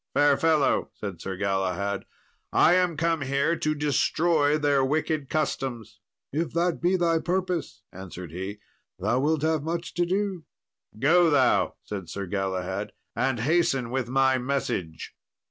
"Fair fellow," said Sir Galahad, "I am come here to destroy their wicked customs." "If that be thy purpose," answered he, "thou wilt have much to do." "Go thou," said Galahad, "and hasten with my message."